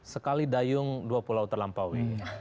sekali dayung dua pulau terlampaui